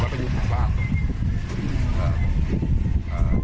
ประเภทมนาคม